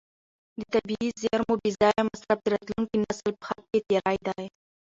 د طبیعي زیرمو بې ځایه مصرف د راتلونکي نسل په حق تېری دی.